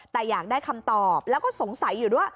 แต่อยากได้คำตอบแล้วก็สงสัยอยู่ด้วย